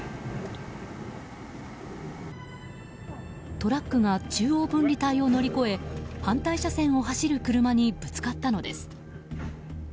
トラックが中央分離帯を乗り越え反対車線を走る車にぶつかったのです。